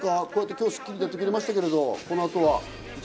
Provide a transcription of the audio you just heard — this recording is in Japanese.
今日『スッキリ』でやってくれましたけど、この後は？